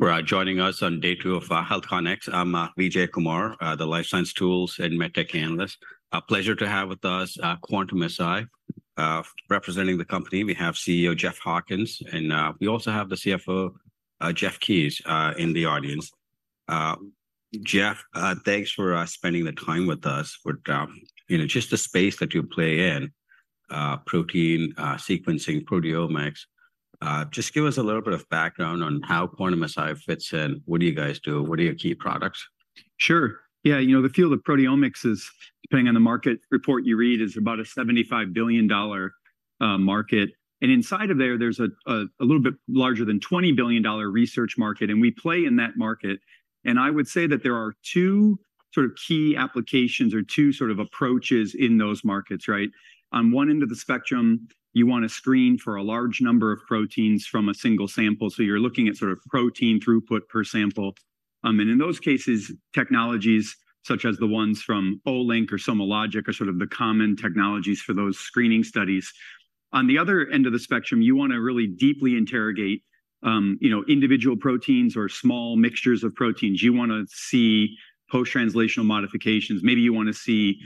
We're joining us on day two of HealthCONx. I'm Vijay Kumar, the life science tools and MedTech analyst. A pleasure to have with us Quantum-Si. Representing the company, we have CEO Jeff Hawkins, and we also have the CFO Jeff Keyes in the audience. Jeff, thanks for spending the time with us. We're, you know, just the space that you play in, protein sequencing, proteomics. Just give us a little bit of background on how Quantum-Si fits in. What do you guys do? What are your key products? Sure. Yeah, you know, the field of proteomics is, depending on the market report you read, is about a $75 billion market, and inside of there, there's a little bit larger than $20 billion research market, and we play in that market. And I would say that there are two sort of key applications or two sort of approaches in those markets, right? On one end of the spectrum, you want to screen for a large number of proteins from a single sample, so you're looking at sort of protein throughput per sample. And in those cases, technologies such as the ones from Olink or SomaLogic are sort of the common technologies for those screening studies. On the other end of the spectrum, you want to really deeply interrogate, you know, individual proteins or small mixtures of proteins. You want to see post-translational modifications. Maybe you want to see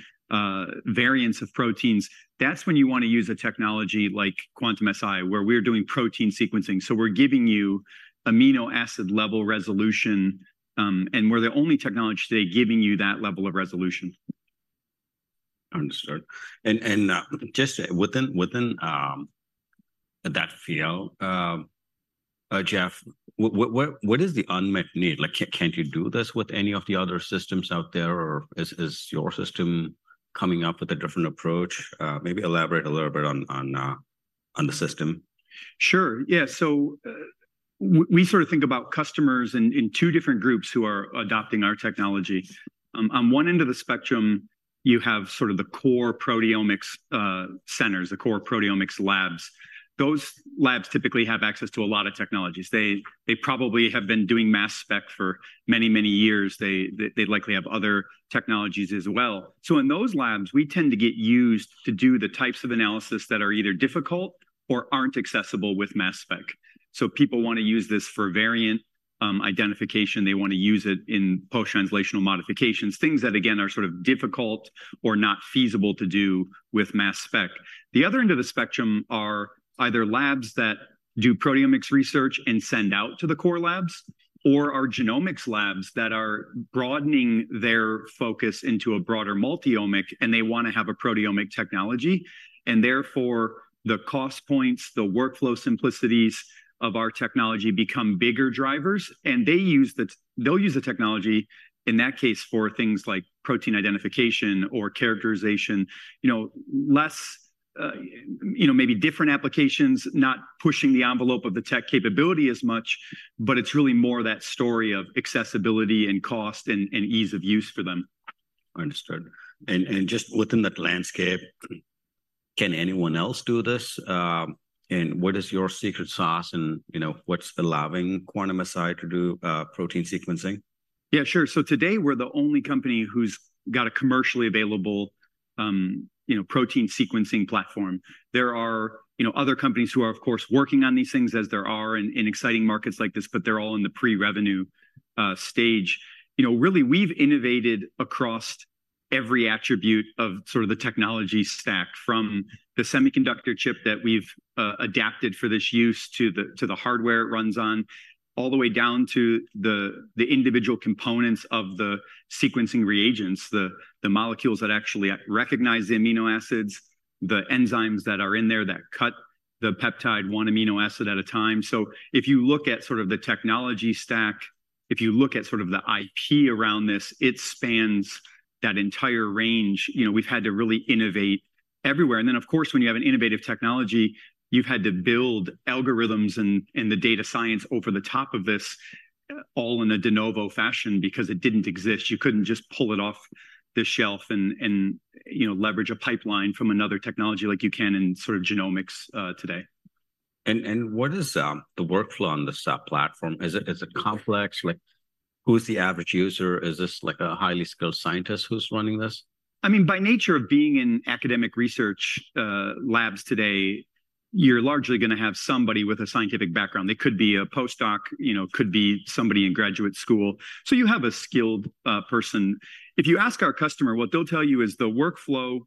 variants of proteins. That's when you want to use a technology like Quantum-Si, where we're doing protein sequencing. So we're giving you amino acid level resolution, and we're the only technology today giving you that level of resolution. Understood. Just within that field, Jeff, what is the unmet need? Like, can't you do this with any of the other systems out there, or is your system coming up with a different approach? Maybe elaborate a little bit on the system. Sure. Yeah, so we sort of think about customers in two different groups who are adopting our technology. On one end of the spectrum, you have sort of the core proteomics centers, the core proteomics labs. Those labs typically have access to a lot of technologies. They probably have been doing mass spec for many, many years. They'd likely have other technologies as well. So in those labs, we tend to get used to do the types of analysis that are either difficult or aren't accessible with mass spec. So people want to use this for variant identification. They want to use it in post-translational modifications, things that, again, are sort of difficult or not feasible to do with mass spec. The other end of the spectrum are either labs that do proteomics research and send out to the core labs or are genomics labs that are broadening their focus into a broader multi-omics, and they want to have a proteomic technology. And therefore, the cost points, the workflow simplicities of our technology become bigger drivers, and they'll use the technology in that case for things like protein identification or characterization. You know, less, you know, maybe different applications, not pushing the envelope of the tech capability as much, but it's really more that story of accessibility and cost and ease of use for them. Understood. And just within that landscape, can anyone else do this? And what is your secret sauce, and you know, what's allowing Quantum-Si to do protein sequencing? Yeah, sure. So today, we're the only company who's got a commercially available, you know, protein sequencing platform. There are, you know, other companies who are, of course, working on these things, as there are in exciting markets like this, but they're all in the pre-revenue stage. You know, really, we've innovated across every attribute of sort of the technology stack, from the semiconductor chip that we've adapted for this use to the hardware it runs on, all the way down to the individual components of the sequencing reagents, the molecules that actually recognize the amino acids, the enzymes that are in there that cut the peptide one amino acid at a time. So if you look at sort of the technology stack, if you look at sort of the IP around this, it spans that entire range. You know, we've had to really innovate everywhere. And then, of course, when you have an innovative technology, you've had to build algorithms and the data science over the top of this, all in a de novo fashion, because it didn't exist. You couldn't just pull it off the shelf and, you know, leverage a pipeline from another technology like you can in sort of genomics, today. What is the workflow on this platform? Is it complex? Like, who's the average user? Is this like a highly skilled scientist who's running this? I mean, by nature of being in academic research, labs today, you're largely going to have somebody with a scientific background. They could be a postdoc, you know, could be somebody in graduate school. So you have a skilled person. If you ask our customer, what they'll tell you is the workflow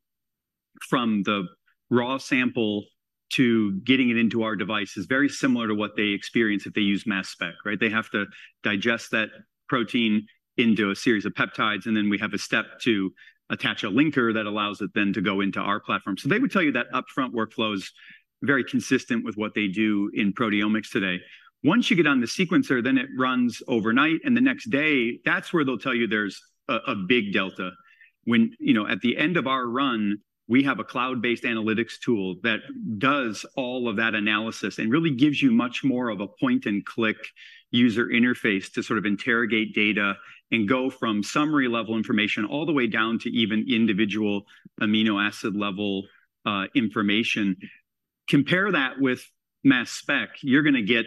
from the raw sample to getting it into our device is very similar to what they experience if they use mass spec, right? They have to digest that protein into a series of peptides, and then we have a step to attach a linker that allows it then to go into our platform. So they would tell you that upfront workflow is very consistent with what they do in proteomics today. Once you get on the sequencer, then it runs overnight, and the next day, that's where they'll tell you there's a big delta. When, you know, at the end of our run, we have a cloud-based analytics tool that does all of that analysis and really gives you much more of a point-and-click user interface to sort of interrogate data and go from summary-level information all the way down to even individual amino acid-level information. Compare that with mass spec. You're going to get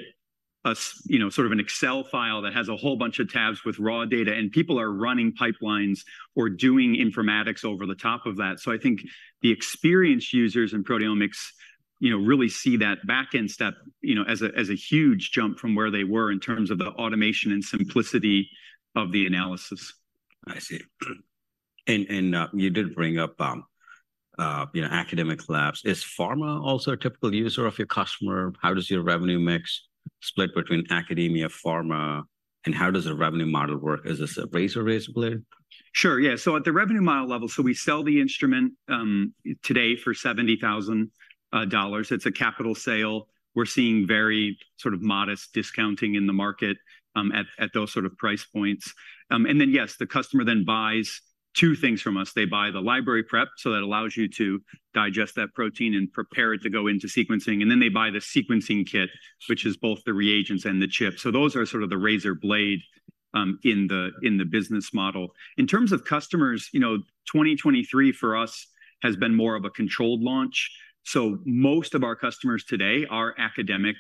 sort of an Excel file that has a whole bunch of tabs with raw data, and people are running pipelines or doing informatics over the top of that. So I think the experienced users in proteomics, you know, really see that back-end step, you know, as a huge jump from where they were in terms of the automation and simplicity of the analysis. I see. And you did bring up, you know, academic labs. Is pharma also a typical user of your customer? How does your revenue mix split between academia, pharma, and how does the revenue model work? Is this a razor razor blade? Sure, yeah. So at the revenue model level, so we sell the instrument today for $70,000. It's a capital sale. We're seeing very sort of modest discounting in the market at those sort of price points. And then, yes, the customer then buys two things from us. They buy the library prep, so that allows you to digest that protein and prepare it to go into sequencing, and then they buy the sequencing kit, which is both the reagents and the chip. So those are sort of the razor blade in the business model. In terms of customers, you know, 2023 for us has been more of a controlled launch. So most of our customers today are academic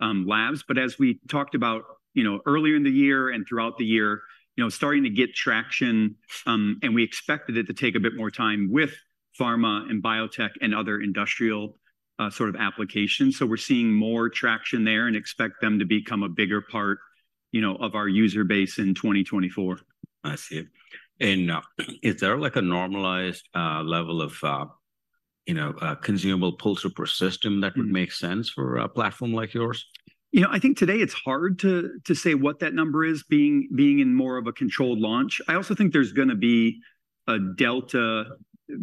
labs. But as we talked about, you know, earlier in the year and throughout the year, you know, starting to get traction, and we expected it to take a bit more time with pharma and biotech and other industrial, sort of applications. So we're seeing more traction there and expect them to become a bigger part, you know, of our user base in 2024. I see. And, is there, like, a normalized level of, you know, consumable pull per system that would make sense for a platform like yours? You know, I think today it's hard to say what that number is, being in more of a controlled launch. I also think there's gonna be a delta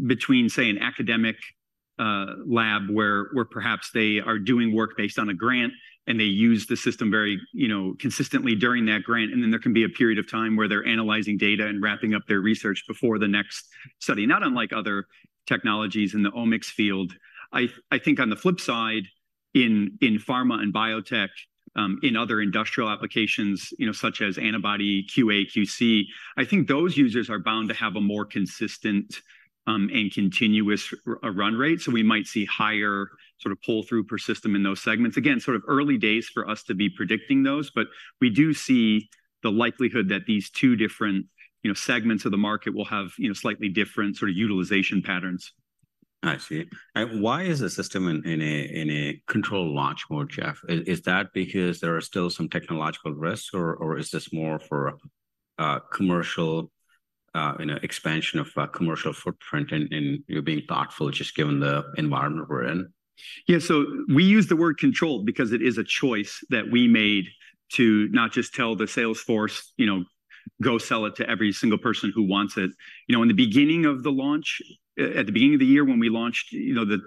between, say, an academic lab, where perhaps they are doing work based on a grant, and they use the system very, you know, consistently during that grant. And then there can be a period of time where they're analyzing data and wrapping up their research before the next study, not unlike other technologies in the omics field. I think on the flip side, in pharma and biotech, in other industrial applications, you know, such as antibody QA/QC, I think those users are bound to have a more consistent, and continuous run rate. So we might see higher sort of pull-through per system in those segments. Again, sort of early days for us to be predicting those, but we do see the likelihood that these two different, you know, segments of the market will have, you know, slightly different sort of utilization patterns. I see. And why is the system in a controlled launch mode, Jeff? Is that because there are still some technological risks, or is this more for commercial, you know, expansion of commercial footprint and you're being thoughtful, just given the environment we're in? Yeah, so we use the word control because it is a choice that we made to not just tell the sales force, you know, "Go sell it to every single person who wants it." You know, in the beginning of the launch, at the beginning of the year when we launched, you know, the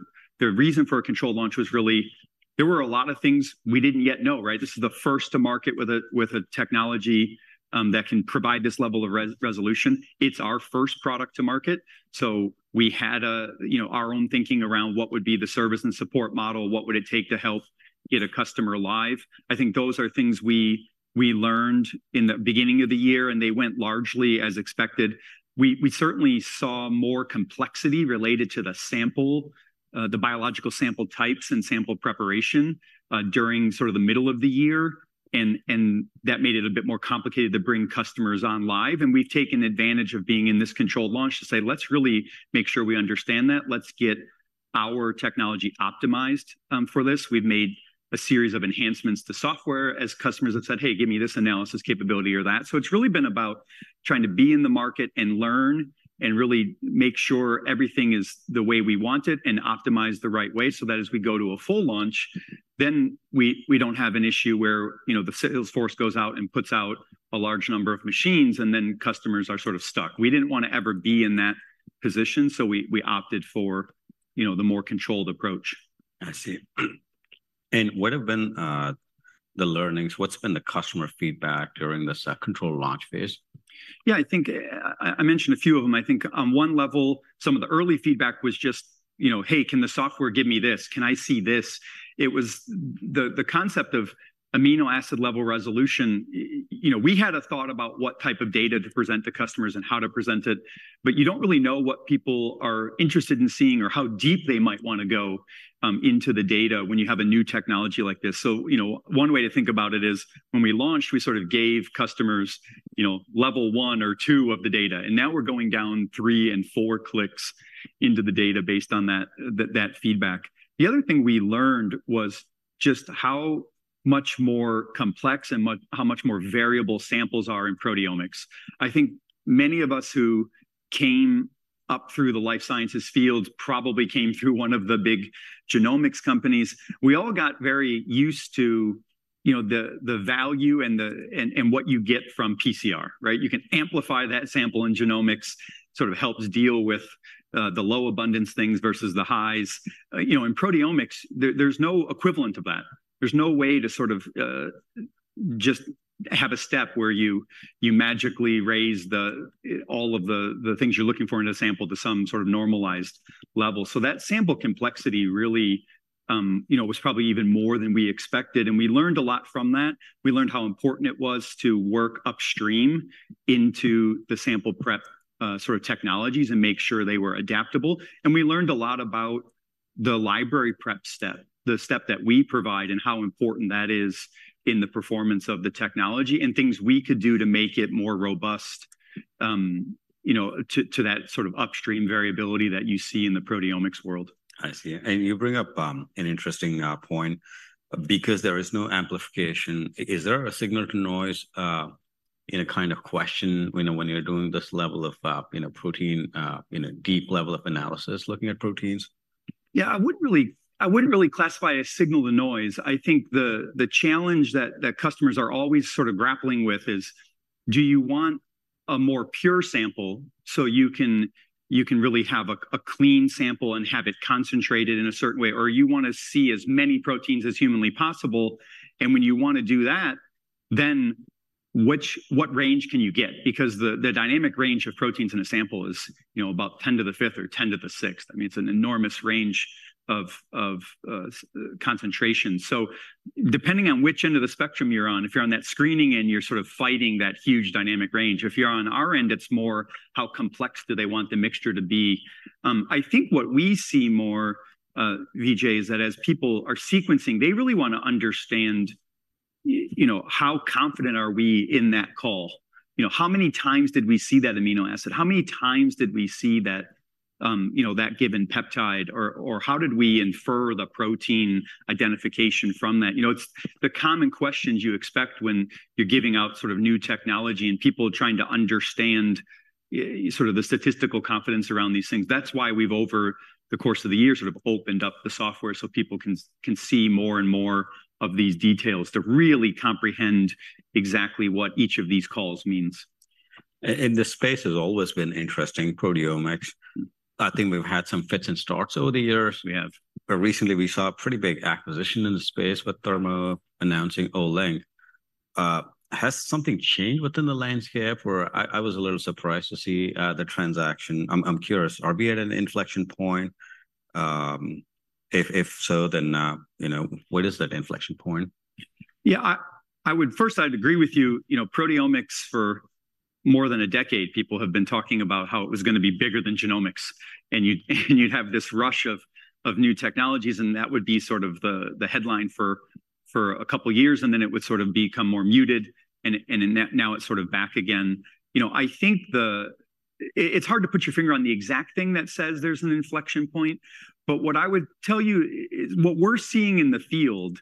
reason for a controlled launch was really... There were a lot of things we didn't yet know, right? This is the first to market with a technology that can provide this level of resolution. It's our first product to market, so we had, you know, our own thinking around what would be the service and support model, what would it take to help get a customer live. I think those are things we learned in the beginning of the year, and they went largely as expected. We certainly saw more complexity related to the sample, the biological sample types and sample preparation, during sort of the middle of the year, and that made it a bit more complicated to bring customers on live. And we've taken advantage of being in this controlled launch to say, "Let's really make sure we understand that. Let's get our technology optimized for this." We've made a series of enhancements to software as customers have said, "Hey, give me this analysis capability or that." So it's really been about trying to be in the market and learn and really make sure everything is the way we want it and optimize the right way so that as we go to a full launch, then we don't have an issue where, you know, the sales force goes out and puts out a large number of machines, and then customers are sort of stuck. We didn't wanna ever be in that position, so we opted for, you know, the more controlled approach. I see. And what have been the learnings? What's been the customer feedback during this controlled launch phase? Yeah, I think I mentioned a few of them. I think on one level, some of the early feedback was just, you know, "Hey, can the software give me this? Can I see this?" It was the concept of amino acid-level resolution. You know, we had a thought about what type of data to present to customers and how to present it, but you don't really know what people are interested in seeing or how deep they might wanna go into the data when you have a new technology like this. So, you know, one way to think about it is, when we launched, we sort of gave customers, you know, level one or two of the data, and now we're going down three and four clicks into the data based on that feedback. The other thing we learned was just how much more complex and how much more variable samples are in proteomics. I think many of us who came up through the life sciences field probably came through one of the big genomics companies. We all got very used to, you know, the value and what you get from PCR, right? You can amplify that sample, and genomics sort of helps deal with the low-abundance things versus the highs. You know, in proteomics, there's no equivalent of that. There's no way to sort of just have a step where you magically raise all of the things you're looking for in a sample to some sort of normalized level. So that sample complexity really, you know, was probably even more than we expected, and we learned a lot from that. We learned how important it was to work upstream into the sample prep, sort of technologies and make sure they were adaptable. We learned a lot about the library prep step, the step that we provide, and how important that is in the performance of the technology, and things we could do to make it more robust, you know, to that sort of upstream variability that you see in the proteomics world. I see. And you bring up an interesting point. Because there is no amplification, is there a signal-to-noise in a kind of question, you know, when you're doing this level of, you know, protein, you know, deep level of analysis, looking at proteins? Yeah, I wouldn't really classify it as signal to noise. I think the challenge that customers are always sort of grappling with is, do you want a more pure sample so you can really have a clean sample and have it concentrated in a certain way, or you want to see as many proteins as humanly possible? And when you want to do that, then what range can you get? Because the dynamic range of proteins in a sample is, you know, about 10 to the fifth or 10 to the sixth. I mean, it's an enormous range of concentration. So depending on which end of the spectrum you're on, if you're on that screening end, you're sort of fighting that huge dynamic range. If you're on our end, it's more how complex do they want the mixture to be. I think what we see more, Vijay, is that as people are sequencing, they really want to understand, you know, how confident are we in that call. You know, how many times did we see that amino acid? How many times did we see that, you know, that given peptide, or, or how did we infer the protein identification from that? You know, it's the common questions you expect when you're giving out sort of new technology and people are trying to understand, sort of the statistical confidence around these things. That's why we've, over the course of the years, sort of opened up the software so people can see more and more of these details to really comprehend exactly what each of these calls means. And this space has always been interesting, proteomics. I think we've had some fits and starts over the years. But recently we saw a pretty big acquisition in the space with Thermo announcing Olink. Has something changed within the landscape? Or I was a little surprised to see the transaction. I'm curious, are we at an inflection point? If so, then you know, what is that inflection point? Yeah, I would... First, I'd agree with you. You know, proteomics for more than a decade, people have been talking about how it was going to be bigger than genomics, and you'd have this rush of new technologies, and that would be sort of the headline for a couple of years, and then it would sort of become more muted, and then now it's sort of back again. You know, I think the... It's hard to put your finger on the exact thing that says there's an inflection point, but what I would tell you is what we're seeing in the field,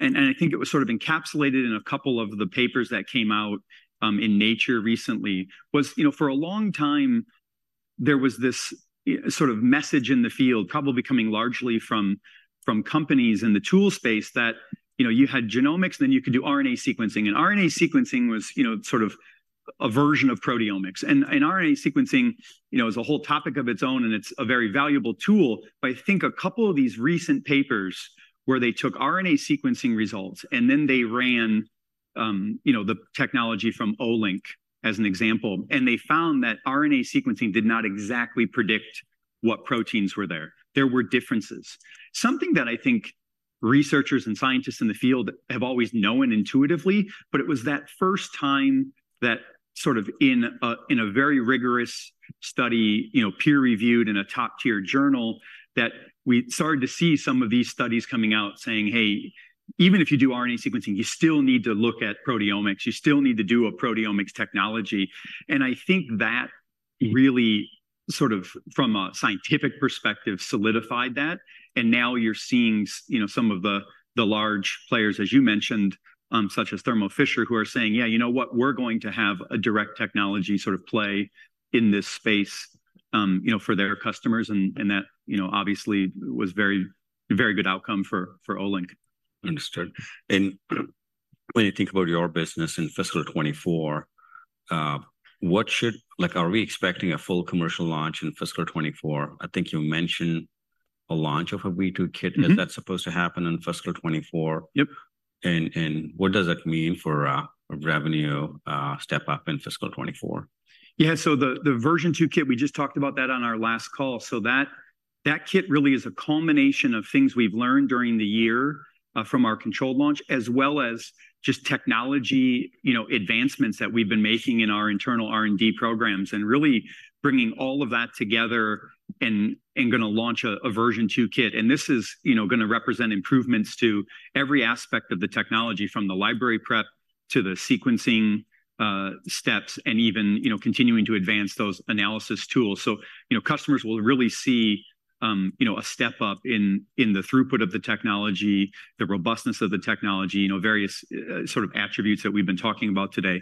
and I think it was sort of encapsulated in a couple of the papers that came out in Nature recently. You know, for a long time, there was this sort of message in the field, probably coming largely from companies in the tool space, that you know, you had genomics, and then you could do RNA sequencing. RNA sequencing was, you know, sort of a version of proteomics. RNA sequencing, you know, is a whole topic of its own, and it's a very valuable tool. But I think a couple of these recent papers where they took RNA sequencing results, and then they ran, you know, the technology from Olink, as an example, and they found that RNA sequencing did not exactly predict what proteins were there. There were differences. Something that I think researchers and scientists in the field have always known intuitively, but it was that first time that sort of in a, in a very rigorous study, you know, peer-reviewed in a top-tier journal, that we started to see some of these studies coming out saying, "Hey, even if you do RNA sequencing, you still need to look at proteomics. You still need to do a proteomics technology." And I think that really sort of, from a scientific perspective, solidified that, and now you're seeing, you know, some of the large players, as you mentioned, such as Thermo Fisher, who are saying, "Yeah, you know what? We're going to have a direct technology sort of play in this space," you know, for their customers, and that, you know, obviously was a very good outcome for Olink. Understood. And when you think about your business in fiscal 2024, like, are we expecting a full commercial launch in fiscal 2024? I think you mentioned a launch of a V2 kit. Mm-hmm. Is that supposed to happen in fiscal 2024? Yep. What does that mean for a revenue step up in fiscal 2024? Yeah, so the version 2 kit, we just talked about that on our last call. So that kit really is a culmination of things we've learned during the year from our controlled launch, as well as just technology, you know, advancements that we've been making in our internal R&D programs, and really bringing all of that together and going to launch a version 2 kit. And this is, you know, going to represent improvements to every aspect of the technology, from the library prep to the sequencing steps, and even, you know, continuing to advance those analysis tools. So, you know, customers will really see, you know, a step up in the throughput of the technology, the robustness of the technology, you know, various sort of attributes that we've been talking about today.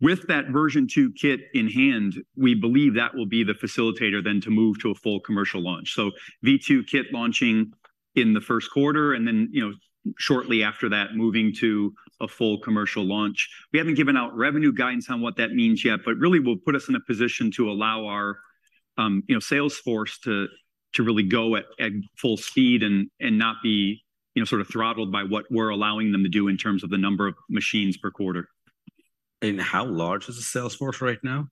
With that version 2 kit in hand, we believe that will be the facilitator then to move to a full commercial launch. So V2 kit launching in the first quarter, and then, you know, shortly after that, moving to a full commercial launch. We haven't given out revenue guidance on what that means yet, but really will put us in a position to allow our, you know, sales force to really go at full speed and not be, you know, sort of throttled by what we're allowing them to do in terms of the number of machines per quarter. How large is the sales force right now?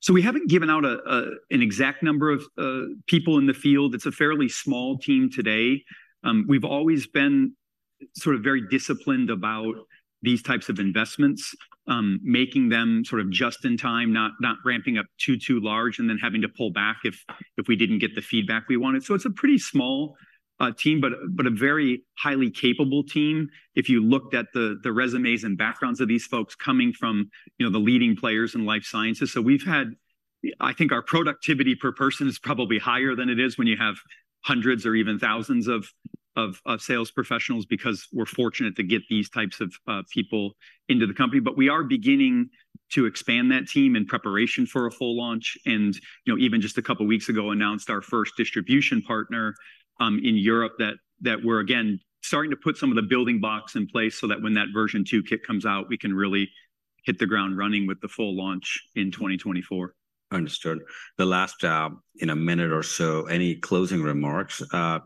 So we haven't given out an exact number of people in the field. It's a fairly small team today. We've always been sort of very disciplined about these types of investments, making them sort of just in time, not ramping up too large and then having to pull back if we didn't get the feedback we wanted. So it's a pretty small team, but a very highly capable team, if you looked at the resumes and backgrounds of these folks coming from, you know, the leading players in life sciences. So we've had... I think our productivity per person is probably higher than it is when you have hundreds or even thousands of sales professionals, because we're fortunate to get these types of people into the company. But we are beginning to expand that team in preparation for a full launch and, you know, even just a couple of weeks ago, announced our first distribution partner in Europe, that we're again starting to put some of the building blocks in place so that when that version 2 kit comes out, we can really hit the ground running with the full launch in 2024. Understood. The last, in a minute or so, any closing remarks?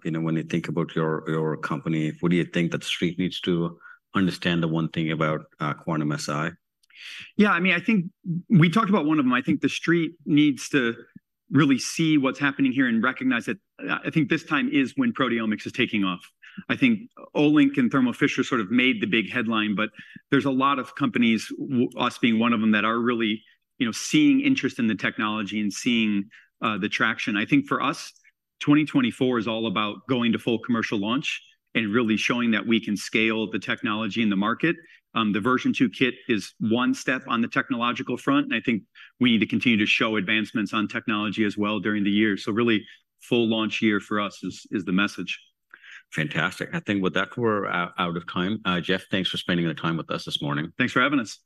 You know, when you think about your, your company, what do you think that Street needs to understand the one thing about, Quantum-Si? Yeah, I mean, I think we talked about one of them. I think the Street needs to really see what's happening here and recognize that, I think this time is when proteomics is taking off. I think Olink and Thermo Fisher sort of made the big headline, but there's a lot of companies, us being one of them, that are really, you know, seeing interest in the technology and seeing the traction. I think for us, 2024 is all about going to full commercial launch and really showing that we can scale the technology in the market. The version two kit is one step on the technological front, and I think we need to continue to show advancements on technology as well during the year. So really, full launch year for us is the message. Fantastic. I think with that, we're out of time. Jeff, thanks for spending the time with us this morning. Thanks for having us.